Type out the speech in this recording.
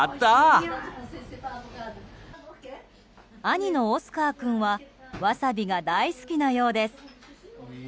兄のオスカー君はワサビが大好きなようです。